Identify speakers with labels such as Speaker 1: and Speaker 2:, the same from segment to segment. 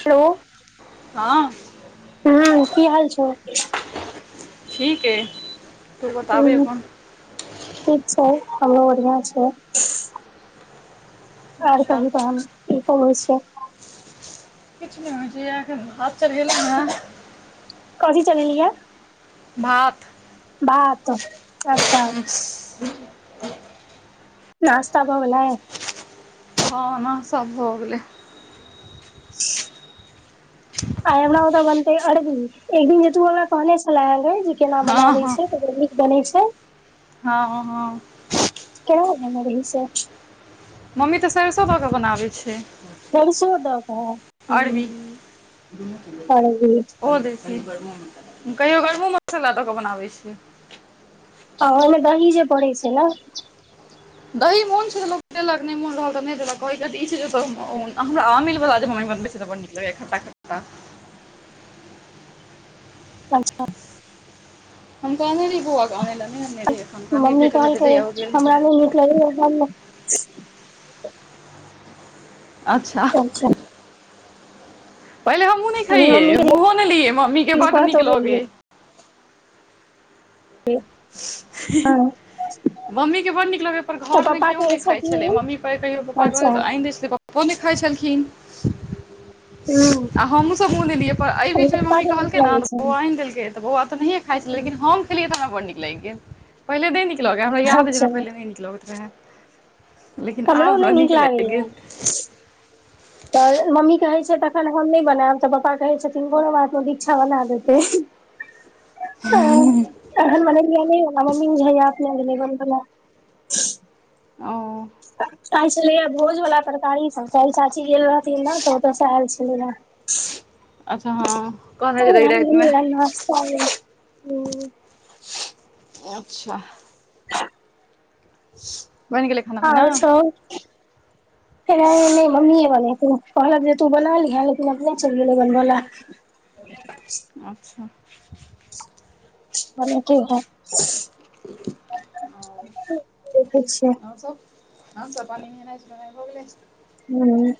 Speaker 1: Hello,
Speaker 2: हँ
Speaker 1: हँ की हाल छै।
Speaker 2: ठीक अइ, तू बताबै
Speaker 1: हूँ
Speaker 2: अपन।
Speaker 1: ठीक छै, हमरो बढ़ियां छै। आर
Speaker 2: अच्छा
Speaker 1: कहु तहन की सब होइ छै?
Speaker 2: किछ नै होय छै, हइये एखन भात चढ़ेलू हे।
Speaker 1: कथी चढ़ेलीयै?
Speaker 2: भात।
Speaker 1: भात आ साग।
Speaker 2: [unintelligible]
Speaker 1: नाश्ता भऽ गेलै?
Speaker 2: हँ नाश्ता भऽ गेलै।
Speaker 1: [unintelligible] आइ हमरा ओतऽ बनतै अरबी, एक दिन जे तू हमरा कहने छेलेहे गैय, जे केना
Speaker 2: हँ
Speaker 1: बनाबै छै? तऽ ओकर नीक बनै छै।
Speaker 2: हाँ, ह- ह।
Speaker 1: केना बनेने रही से?
Speaker 2: मम्मी तऽ सैरसो धऽ कऽ बनाबै छै।
Speaker 1: सरिसो दऽ कऽ
Speaker 2: अरबी,
Speaker 1: हूँ अरबी
Speaker 2: ओहो दै कहियो गरमो मसल्ला दऽ कऽ बनाबै छै।
Speaker 1: आ ओय में दही जे पड़ै छै न।
Speaker 2: दही मोन छै तऽ लोक देलक नै मोन रहल तऽ नै देलक, कहै के अर्थ इ छै जे ओतऽ ओ हमरा आमील वला जे मम्मी बनबै छै तऽ बड़ नीक रहै खट्टा-खट्टा।
Speaker 1: अच्छा।
Speaker 2: हम कहने रहियै बौआ के अनै लै, नै अनने रही एखन नहि
Speaker 1: मम्मी
Speaker 2: भेटल हेतै
Speaker 1: कहलकै
Speaker 2: जहिया ओ गेल
Speaker 1: हमरा नै
Speaker 2: हेतै
Speaker 1: नीक लगैये, हम नै
Speaker 2: अच्छा।
Speaker 1: अच्छा।
Speaker 2: पहिले हमहूँ नै खैइये,
Speaker 1: मम्मी
Speaker 2: मुँहो नै लियै, मम्मी के बड नीक
Speaker 1: कहतौ
Speaker 2: लगै।
Speaker 1: हँ
Speaker 2: ही-ही। मम्मी के बड नीक लगै, पर
Speaker 1: तऽ
Speaker 2: घर में
Speaker 1: पप्पा
Speaker 2: कियो
Speaker 1: कहै
Speaker 2: नै खाइ
Speaker 1: छथिन
Speaker 2: छलै, मम्मी प कहियो पप्पा के
Speaker 1: अच्छा
Speaker 2: कहै तऽ आइन दै छलै, पप्प। पो नै खाइ छलखिन।
Speaker 1: हूं
Speaker 2: आ हमहूँ सब मुँह नै लियै, पर ऐय बीच में
Speaker 1: पप्पा
Speaker 2: मम्मी
Speaker 1: के नीक
Speaker 2: कहलकै न
Speaker 1: लगै
Speaker 2: तऽ ओ
Speaker 1: छनि
Speaker 2: आइन देलकै। तऽ बौआ तऽ नहिये खाइ छलै, लेकिन हम खेलियै तऽ हमरा बड़ नीक लाइग गेल। पहिले नै नीक लगे, हमरा याद ऐय जे
Speaker 1: अच्छा
Speaker 2: हमरा पहिले नै नीक लगैत रहे। लेकिन आब
Speaker 1: हमरो
Speaker 2: हमरा
Speaker 1: नहि
Speaker 2: नीक लैग
Speaker 1: लागैया
Speaker 2: गेल।
Speaker 1: तऽ मम्मी कहै छै तखन हम नै बनेब तऽ पप्पा कहै छथिन, कोनो बात नै दिक्षा बना देतै। [unintelligible] हँ अहन बनेलियै नै हमरा मम्मी बुझाइया अपने गेलै बनबै लै।
Speaker 2: ओ।
Speaker 1: त आय छेलैइये भोज वला तरकारी सब, कैल चाची गेल रहथिन नऽ तऽ ओतऽ सऽ एल छै। सिन्दुरहार।
Speaker 2: अच्छा ह कहने जे
Speaker 1: तऽ
Speaker 2: रही रैत मे।
Speaker 1: वैह [unintelligible]
Speaker 2: अच्छा। [unintelligible] पीना
Speaker 1: और सब? खेनाय नै मम्मीये बनेतै कहलक जे तू बना लीहें लेकिन अपने चैल गेलै बनबऽ ले।
Speaker 2: अच्छा।
Speaker 1: बनेते है।
Speaker 2: और
Speaker 1: देखै छियै
Speaker 2: और सब। और सब बनेनाय सुनेनाय भ गेलै।
Speaker 1: हूँ।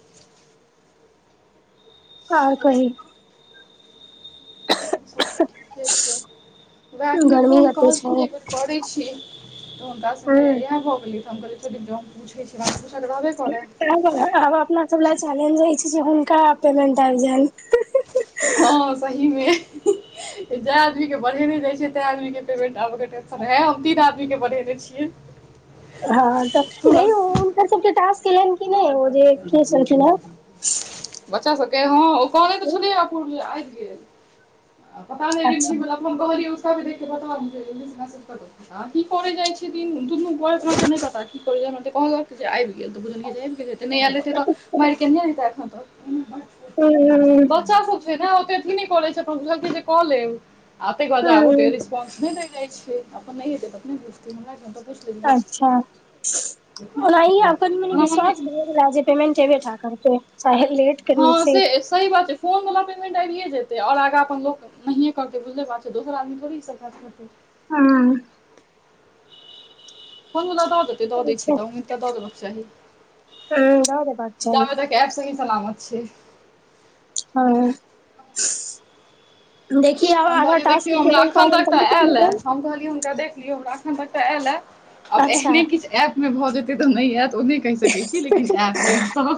Speaker 1: आर कही।
Speaker 2: और सब तऽ ठीके छैय वएह एखने
Speaker 1: गर्मी
Speaker 2: फोन
Speaker 1: कते छै
Speaker 2: कहलखिन
Speaker 1: हूँ
Speaker 2: जे बेेर करै छी। तऽ हुनका संगे इएह भऽ गेलै त हम कहलियै छोड़ दियौ जो पूछै छी पूछल रहबे करै।
Speaker 1: आब अपना सब लै चैलेंज रहै छैय जे हुनका पेमेंट आइब जाइन।
Speaker 2: हँ सही मे। जै आदमी के बढ़ेने रहै छीए तै आदमी के पेमेंट आबे के टेंशन हम तीन आदमी के बढ़ेने छियै।
Speaker 1: हँ तऽ
Speaker 2: हमरा
Speaker 1: गई हुनकर सबके टाॅस्क एलैन।
Speaker 2: [unintelligible] बच्चा सब के हँ ओ करै तऽ छेलै ह पूर आइब गेल पता नैय
Speaker 1: अच्छा
Speaker 2: रिमझिम बला। हम कहलियै उषा दीदी के बतादी जल्दी से मैसेज क दही। आ की करै जाय छै दिन दुनू गोर नैय पता की करै जाय हमरा त कहलक आइब गेल तऽ बुझलियै जे। नैय एल हेतै त मैर के नै देत तऽ
Speaker 1: हूँ
Speaker 2: बच्चा सब। सेना ओते थि नैय करै छैय अपन बुझलकै जे कऽ लेब आ तेै के बाद आब
Speaker 1: हूँ
Speaker 2: उतैर। बस नै दै जाय छैय अपन नैय हेतेै तऽ अपने बुझते हमरा की हम त।
Speaker 1: अच्छा ओनाही आ कनी मनी
Speaker 2: ओना मम्मी
Speaker 1: विश्वास भेल। राजे पेमेंट एबेटा करतै चाहे लेट।
Speaker 2: हँ से सही बात छैय फोन वला पेमेंट आबये जेतै आ और आगाँ अपन लोक। नहिये करते बुझले बात छैय दोसर आदमी थोड़ी इ सब काज करतेै।
Speaker 1: हँ।
Speaker 2: हम दऽ देतै दऽ दै छै तऽ उऽ दऽ देबक चाही
Speaker 1: देबाक चाही
Speaker 2: जाबे तक। पेर सही सलामत छैय।
Speaker 1: हँ। देखि आ।
Speaker 2: हम कहलियै देखियौ हमरा एखन तक तऽ एल ए
Speaker 1: देब
Speaker 2: हम कहलियै हुनका देखलियौ हमरा। एखन तक तऽ एल एऽ आब
Speaker 1: अच्छा
Speaker 2: एहने किछ ऐप मे भऽ जेते तऽ नैय एऽत ओने। कैह सकै छी लेकिन एऽत उम्मीद तऽ।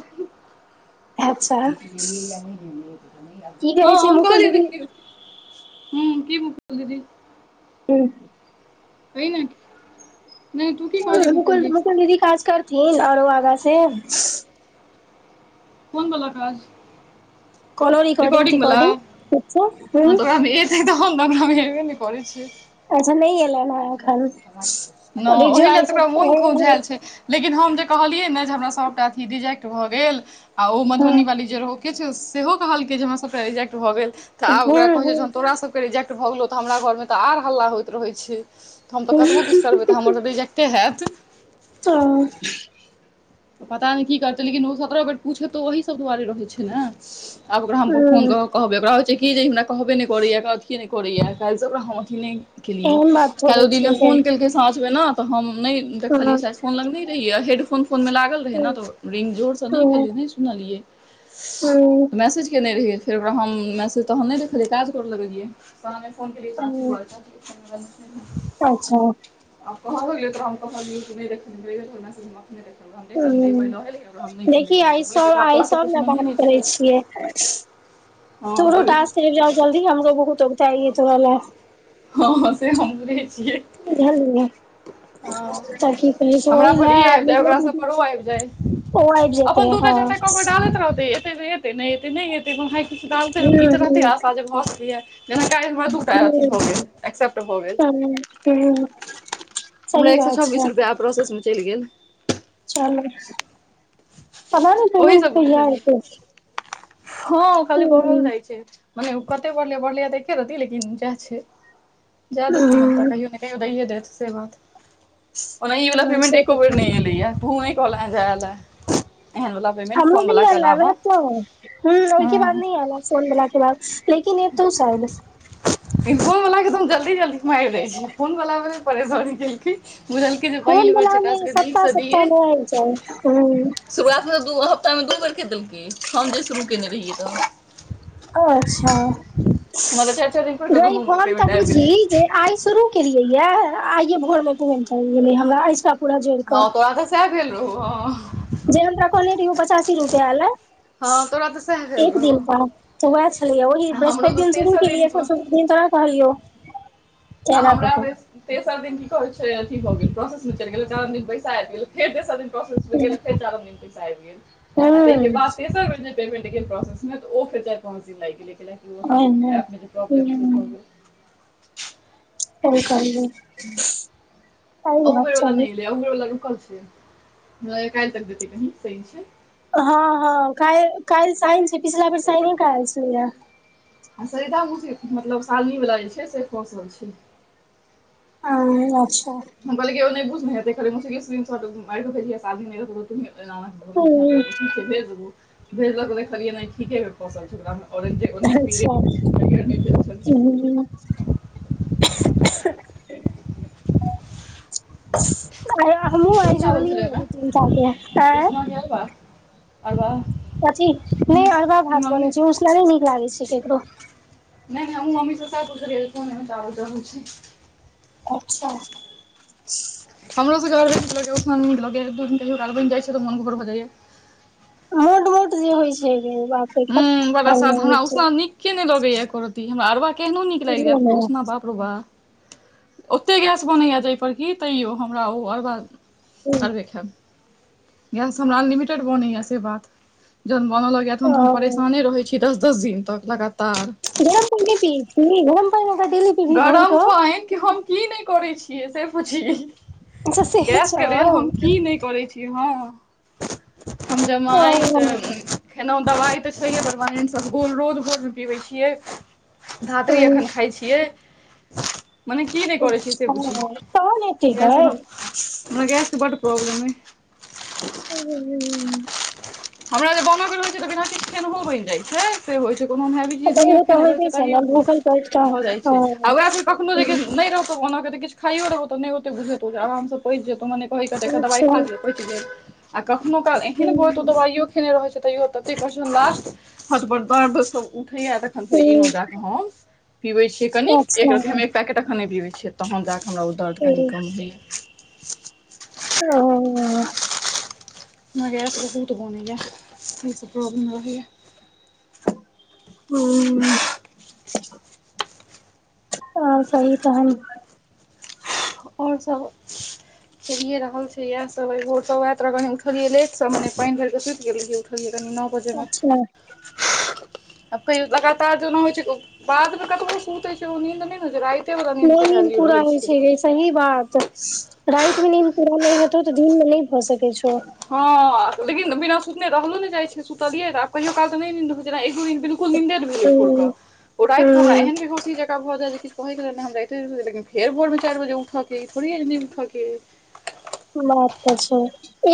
Speaker 1: अच्छा की कहै
Speaker 2: हँ
Speaker 1: छै
Speaker 2: हम
Speaker 1: मुकुल
Speaker 2: कहलियै
Speaker 1: दीदी
Speaker 2: देखियौ। हूँ की भेलौ दीदी।
Speaker 1: हूं।
Speaker 2: कही ने। नहि तू की कहली
Speaker 1: मुकुल
Speaker 2: दी
Speaker 1: -मुकुल दीदी काज करथिन आरो आगा से।
Speaker 2: कोन बला काज।
Speaker 1: कोनो रिकॉर्डिंग
Speaker 2: रिकोर्डिंग वला
Speaker 1: तिकॉर्डिंग किछो हूँ
Speaker 2: हँ वयह मे एतै तहन न ओकरा मे एबे नैय करै छैय।
Speaker 1: अच्छा नहि एलनि हँ एखन
Speaker 2: नै
Speaker 1: रिजु
Speaker 2: ओहि लए
Speaker 1: आइ सब
Speaker 2: ओकरा मोन
Speaker 1: हँ
Speaker 2: खौझेल छैय। लेकिन हम जे कहलियै ने जे हमरा सबटा। रिजेक्ट भऽ गेल आ ओ मधुबनी
Speaker 1: हँ
Speaker 2: वाली जे रहौ के छौ सेहो। कहलकै जे हमरा सबटा रिजेक्ट भऽ गेल तऽ आब
Speaker 1: हँ
Speaker 2: ओकरा कहै छैय
Speaker 1: हँ
Speaker 2: जहन तोरा सब। रिजेक्ट भऽ गेलौ तऽ हमरा घर मे तऽ और हल्ला होइत रहै छैय। हम तऽ कतबो किछु करबै तऽ हमर त रिजेक्टे हेऽत। त पता नहि की करतै लेकिन ओ सत्रह बेर पूछेतो ओहीसभ दुआरे रहै छै ने। आब ओकरा हम फोन
Speaker 1: हँ
Speaker 2: कऽ के कहबै ओकरा होइ छै कि जे हमरा। कहबे नहि करैए, अथी नहि करैए, काल्हिसँ ओकरा हम अथी नहि। केलियै
Speaker 1: एहन बात
Speaker 2: काल्हि
Speaker 1: थोड़े
Speaker 2: ओ दिन
Speaker 1: छै गै
Speaker 2: फोन केलकै साँझमेना तऽ हम नहि देखलियै
Speaker 1: हँ
Speaker 2: सा। फोन लगने रहि, हेडफोन फोनमे लागल रहै ने, तऽ रिंग जोरसँ नहि भेल रहै, नहि सुनलियै।
Speaker 1: ह।
Speaker 2: मैसेज केयने रहियै फेर ओकरा हम मैसेज, तहन नहि देखलियै, काज करऽ लगलियै। साँझ मैं फोन केलिए चाची
Speaker 1: हँ
Speaker 2: द्वारा तहन फोन ल
Speaker 1: अच्छा।
Speaker 2: आ कहलो हो गेलै तऽ हम कस त नहि देखना स। नहि
Speaker 1: ह
Speaker 2: देख देख पहिले हिन हम नहि
Speaker 1: देखि आइ
Speaker 2: कहै
Speaker 1: सब
Speaker 2: तऽरा
Speaker 1: आइ
Speaker 2: तोराास
Speaker 1: सब ने बात
Speaker 2: पुनाहे नहि
Speaker 1: करै
Speaker 2: छियौ।
Speaker 1: छियै
Speaker 2: हँ
Speaker 1: तोरो
Speaker 2: गरही
Speaker 1: टास्क येलो जल्दी हमरो बहुत उगताई होग चा
Speaker 2: हँँ हाँ से हमरे छियै।
Speaker 1: बुझालिये
Speaker 2: हँ, हमरा पर
Speaker 1: लए
Speaker 2: ई
Speaker 1: आब
Speaker 2: आबि जाय,
Speaker 1: निकलो
Speaker 2: ओकरा सभ
Speaker 1: दीदी
Speaker 2: परो आबि जाय।
Speaker 1: ओ आबि जेतै
Speaker 2: अपन दुटा
Speaker 1: हँ
Speaker 2: चारिटा कारके डालेट रहते येते ता येते नहि एतेै नहि एतै कि काल फे
Speaker 1: हूं
Speaker 2: ई तरहते
Speaker 1: हूं
Speaker 2: आशा जे भऽ सकैया। जेना हमरा दू टा अथी
Speaker 1: हूं
Speaker 2: भऽ गेल एक्सेप्ट भऽ गेल।
Speaker 1: ह।
Speaker 2: हमरा एक सौ छब्बीस रुपैआ प्रोसेसमे चलि गेल।
Speaker 1: चलअब तर पेमेंट
Speaker 2: ओहीसँ बुझलियै
Speaker 1: कहिआत।
Speaker 2: हँ खाली बरहल जाइ छै। भने ओ कते बढ़लियै-बढ़लियै तऽ एके रहती, लेकिन जाए छै जा दही तऽ। ता
Speaker 1: हँ
Speaker 2: कहियों ना कहियो दैए देत से बात ओर ओणहियो इ वाला पेमेंट
Speaker 1: से
Speaker 2: एको
Speaker 1: तऽ
Speaker 2: बेर
Speaker 1: छै
Speaker 2: नहि अलैयै त। कोल जालए।
Speaker 1: आनील
Speaker 2: अलावा
Speaker 1: त ह ओकी
Speaker 2: हँ
Speaker 1: बन्दल। [inaudible] फोन बलाे बाद लेकिन हेतो सायद एक तो शायद।
Speaker 2: ई फोन वाला के तऽ हम जल्दी-जल्दी मारि लै छी, फोन वाला मे नहि परेशानी केलखिन। बुझलकै जे
Speaker 1: होम
Speaker 2: पहिल बेर छै,
Speaker 1: वला
Speaker 2: एकरा
Speaker 1: मे
Speaker 2: सबके
Speaker 1: सप्ताह
Speaker 2: नीकसँ
Speaker 1: सप्ताह
Speaker 2: दियै।
Speaker 1: मे आबि जाउ हूँ
Speaker 2: शुरुआतमे तऽ दू हफ्तामे दू बेरके देलकै, हम जे शुरू कयने रहियै तऽ।
Speaker 1: अच्छा
Speaker 2: हमरा तऽ चारि चारि दिन पर के
Speaker 1: गए
Speaker 2: दुनू
Speaker 1: हम ता
Speaker 2: पेमेंट आबि
Speaker 1: बुझी
Speaker 2: गेलै
Speaker 1: जे आइ शुरू केलियै, आइये भोरमे घुसि गेलै हमरा एहि।
Speaker 2: हँ तोरा ता सेह भेल रहो हाँ
Speaker 1: जे हमरा कहना रहियो पचासी रुपआ अलै।
Speaker 2: हँ तोरा तऽ सएह भेल
Speaker 1: एक
Speaker 2: रहौ
Speaker 1: दिन प तऽ वएह छलैए ओही
Speaker 2: आ हमरो
Speaker 1: बृहस्पति
Speaker 2: तऽ
Speaker 1: दिन शुरू
Speaker 2: तेसर
Speaker 1: केलियै
Speaker 2: दिन
Speaker 1: फर। दिन तरह कहलियौ।
Speaker 2: आ
Speaker 1: तऽ एना
Speaker 2: हमरा
Speaker 1: कऽ
Speaker 2: भेल तेसर दिन की कह छै अथी भऽ गेल प्रोसेसमे चलि गेलै चार दिनैसा आब गेलै फेर तेसर दिन। चार दिन प आब गेल
Speaker 1: कऽ
Speaker 2: ताहिके
Speaker 1: हूँ
Speaker 2: बादेर। पेमेन्टन गेल प्रोसेसमे तऽ फर चार पाँच दिन लागि गेलैएकि ओ
Speaker 1: ओहिमे
Speaker 2: अीऐप जे प्रॉब्लम रहै
Speaker 1: हूँ
Speaker 2: भऽ गेल।
Speaker 1: कोहि कहल।
Speaker 2: अहुबर वला नहि लै अहरवला रुकल छै काएल तक दतै कही साइन छै।
Speaker 1: हँ हँ काल काल साइन छै पिछला बेर साइन के आइल छेले
Speaker 2: आ सदा उी मतलब सालनी वला जे छै से खोसल छै।
Speaker 1: आ अच्छा।
Speaker 2: हम कहल बुझ हेटार।
Speaker 1: हूँ
Speaker 2: ठीक छै भेज देब भेजलक देखलियै नहि ठीके फसल छैकरा।
Speaker 1: अच्छा
Speaker 2: [unintelligible]
Speaker 1: [unintelligible] [inaudible] हैया हमहुँ आइ
Speaker 2: कोन चावल
Speaker 1: जोड़लियै
Speaker 2: छलै
Speaker 1: या
Speaker 2: ओहिमे
Speaker 1: दू तीन टा के आंय?
Speaker 2: [unintelligible] अरबा
Speaker 1: कथी नै
Speaker 2: मम्मी
Speaker 1: अरबा भात बनै
Speaker 2: मम्मी
Speaker 1: छै
Speaker 2: नहि
Speaker 1: उसना नै नीक लागै छै ककरो।
Speaker 2: नै हमहुं मम्मी सं सैह पुछलिअइया कोन एहेन चावल रहै छै।
Speaker 1: अच्छा। [inaudible]
Speaker 2: हमरो सबके अरबे नीक लगैया, उसना नै नीक लगैया। एक दू दिन कहियो काल बनि जाइ छै त मोन घोर भ जाइया।
Speaker 1: मोट मोट जे होइ छै गे भात।
Speaker 2: हु बड असर्द्ध। हमरा ऊसना नीके नै लगैया एको रती, हमरा अरबा केहनो नीक लागि
Speaker 1: बुझलियै
Speaker 2: जैत
Speaker 1: ने
Speaker 2: पर उसना बाप रौ बा। ओते गैस बनैया जै पर की तैयो हमरा ओ अरबा
Speaker 1: हम्म,
Speaker 2: अरबे खैब। गैस हमरा अनलिमिटेड बनैया से बात जहन बन लगैया तहन
Speaker 1: ओ
Speaker 2: त हम परेशाने रहै छी दस-दस दिन तक लगातार।
Speaker 1: गरम पानि नै पियै छी? गरम पानि अहाँ डेली पीबही भोर
Speaker 2: गरम
Speaker 1: कऽ
Speaker 2: पानि कि हम की नै करै छियै से पुछही।
Speaker 1: अच्छा सेहे
Speaker 2: गैस
Speaker 1: छौ
Speaker 2: के लेल हम की नै करै छी। यै हँ [inaudible] हम
Speaker 1: ओ
Speaker 2: जमाइन करबै। खेेलौं। दबाइ त छैहे परमानेंट सफगोल रोज भोर मे पीबै छियै। धात्री
Speaker 1: हम्म,
Speaker 2: एखन खाइ छियै। मने की नै करै छीयै से
Speaker 1: अच्छा तहन एते
Speaker 2: बुझीयौ। गैस
Speaker 1: गै
Speaker 2: ओना हमरा गैस के बड प्रौब्लम अइ।
Speaker 1: [unintelligible]
Speaker 2: हमरा जे बनके रहै छै त बिना किछ खेनहो बनि जाइ छै। से होइ छै। कोनोै हम हैवी चीज
Speaker 1: तऽ
Speaker 2: नहियो
Speaker 1: ओ तऽ
Speaker 2: खेने रहै
Speaker 1: होइते
Speaker 2: छिअइ
Speaker 1: छै ने
Speaker 2: तहियो भ
Speaker 1: भूखल पेट
Speaker 2: [inaudible]
Speaker 1: तऽ
Speaker 2: भ जाइ छै
Speaker 1: अ,
Speaker 2: आ ओएह पर कखनो जे नै रह त ओना के त किछ खाइयो रहबौ त नै ओतेक बुझेतौ जे आराम स पचि जेतौ मने कहै के त एकटा दवाइ
Speaker 1: अच्छा
Speaker 2: खा ले। पचि गेल [inaudible] आ कखनो काल एहन भ जेतौ
Speaker 1: और
Speaker 2: [unintelligible] दर्द सब उठैया त फेर ईनो जा क हम [inaudible] पिबै छियै कनिक एक रती, हम एक पैकेट अखन नै पिबै छियै। तहन जा क हमरा ओ दर्द कनी कम होइया।
Speaker 1: [unintelligible]
Speaker 2: हमरा गैस बहुत बनैया, ई सब प्रॉब्लम रहैया।
Speaker 1: ह [unintelligible] आओर कहु तहन?
Speaker 2: आओर सब चलिए रहल छै इएह सब, आइ भोर सं वैह तरगने कनी उठलियै लेट सं मने पानि भरिके सुति गेल रहियै उठलियै कनी न
Speaker 1: अच्छा।
Speaker 2: आब कहियो लगातार जेना होइ छै। बाद मे कतबो सुतै छै ओ नींद नै होइ छै राति ते बला नींद
Speaker 1: नहि
Speaker 2: कज भैल्यू
Speaker 1: पूरा
Speaker 2: रहै
Speaker 1: होइ
Speaker 2: छै।
Speaker 1: गे सही बात, [inaudible] रातिमे नीद पूरा नै हेतौ त दिनमे नै भ सकै छौ।
Speaker 2: हँ लेकिन बिना सुतने रहलो ने जाइ छै सुतलियै त, कहियो काल त नै नींद होइ छै। जेना एक दू दिन बिलकुले नींन्दे नै भे
Speaker 1: हूँ
Speaker 2: [unintelligible] ओ रातिक हमरा
Speaker 1: हूँ
Speaker 2: एहने [unintelligible] भ जाएत जे किछ कहै के लेल नै हम रातिए क सुतब। लेकिन फेर भोरमे चारि बजे उठ के अइ, ई थोड़े ऐ जे नै उठ [unintelligible]
Speaker 1: बात तऽ छै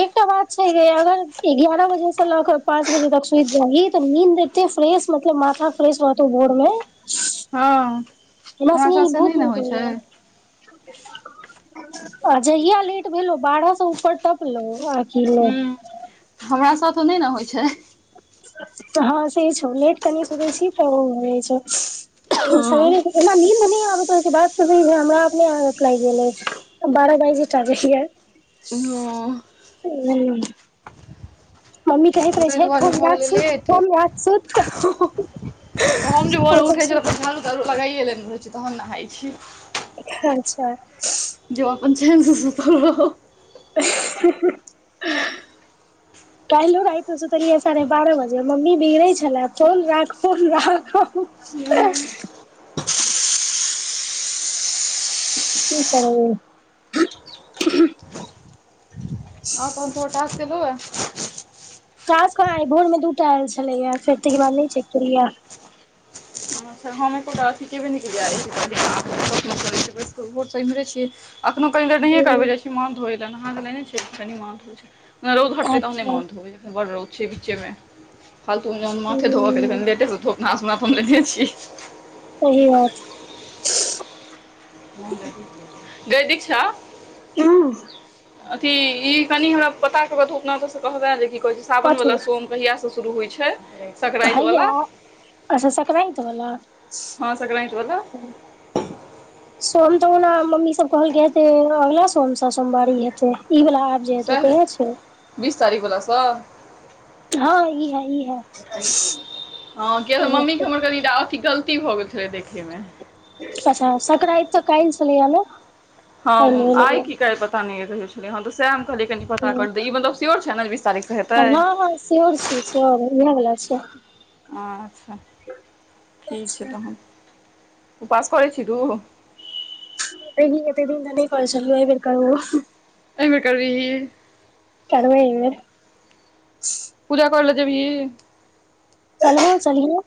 Speaker 1: एकटा बात छै जे अगर ग्यारह बजे स ल क पाँच बजे तक सुति जेबही त नींद एते फ्रेश मतलब माथा फ्रेश रहतौ भोरमे।
Speaker 2: हँ।
Speaker 1: हमरा संगे
Speaker 2: साथ
Speaker 1: ई
Speaker 2: से नहि
Speaker 1: बहुत
Speaker 2: ने
Speaker 1: नीक
Speaker 2: होइ छै
Speaker 1: होइये। आ जहिया लेट भेलो बारहसँ ऊपर टपलौ
Speaker 2: हुँ हमरा साथ नै न होइ छैय।
Speaker 1: हँ से छौ लेट कनि सुतय छी तब [unintelligible] छौ।
Speaker 2: हँ
Speaker 1: सबेरे सुत नीद नय आबैत रहय छैय बाद हमरा अपने आदत लाइग गेल अइछ बारह बाइज गेल चाइये पीयब।
Speaker 2: हँ
Speaker 1: ह। मम्मी कहैत रहय
Speaker 2: ताहि
Speaker 1: छैय
Speaker 2: दुआरे
Speaker 1: फोन
Speaker 2: भऽ
Speaker 1: राख
Speaker 2: गेलै
Speaker 1: सुत
Speaker 2: लेट
Speaker 1: फोन राख सुत।
Speaker 2: हम जे भोरे
Speaker 1: ओ सब
Speaker 2: उठै छलौं
Speaker 1: सुत
Speaker 2: त तरू लगइए लेने रहै छी तहन नहाइ छी।
Speaker 1: अच्छा।
Speaker 2: जो अपन चैन स सुतल रहब।
Speaker 1: ही ही काल्हो राइतमे सुतलियै साढ़े बारह बजे मम्मी बिगड़ै छलै फोन राख, फोन राख। की [unintelligible]
Speaker 2: और कह तोहर टास्क एलौआ।
Speaker 1: टास्क कहाँ भोरमे दूटा एल छलैया फेर तयके बाद नय चेक केलियैए।
Speaker 2: अच्छा हम एकोटा अथी केबे नै केलियैए [unintelligible] भोर स इम्हरे छियै। अखनो कनि देर नहिए करबै जाइ छी माथ धोइ ले नहा त लेने छियै कनि माथ धोइ छै। रोउद हटतै तहने
Speaker 1: सही
Speaker 2: माथ धोबै बड़ रौद छैय बीचेमे। फालतूमे जहन माथे धोबऽ क त कनि लेटे स धोब नहा- सुना त हम लेनहे छी।
Speaker 1: सही बात।
Speaker 2: [inaudible] गै दीक्षा।
Speaker 1: ह।
Speaker 2: अथी इ कनि हमरा पता क क अपना ओतऽ स कहबें कि कहय छैय सावन
Speaker 1: कथी
Speaker 2: वला सोम कहिया स शुरू होइ छैय सकरांइत
Speaker 1: हैया
Speaker 2: बला।
Speaker 1: अच्छा सकरांइत बला।
Speaker 2: हँ संक्रान्ति वला
Speaker 1: सोम त ओना मम्मी सब कहलकै हेते अगला सोम स सोमवारी हेतै इ वला जे त ओ
Speaker 2: सएह
Speaker 1: कहिया छैय।
Speaker 2: बीस तारीख बला स।
Speaker 1: हँ ई है ई है
Speaker 2: हाँ
Speaker 1: कहिया
Speaker 2: मम्मीके
Speaker 1: छै
Speaker 2: हमर कनी अथी गलती भ गेलै। त देखियौ।
Speaker 1: अच्छा सकरांइत त काइल छलैये ने।
Speaker 2: हँ आइ की काइल पता नै अय कहिया छलै हँ त सेह हम कहलियै कनि पता करतै इ मतलब सियोर छैय ने बीस तारीखके हेतै।
Speaker 1: हँ हँ स्योर छी स्योर इएह वला छै
Speaker 2: अच्छा ठीक छैय तहन उपास करै छी तू।
Speaker 1: [unintelligible] अतेक दिन स नय करय छलियो अइबेर करबो।
Speaker 2: अयबेर करबीही।
Speaker 1: करबै अय बेर।
Speaker 2: पूजा करै ल जेबही।
Speaker 1: चलबो चलीहें।